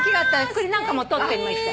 栗なんかも撮ってみました。